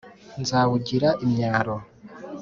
nzawvugira imyaro ,